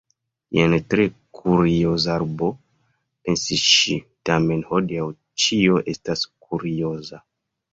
"Jen tre kurioza arbo," pensis ŝi. "Tamen hodiaŭ ĉio estas kurioza.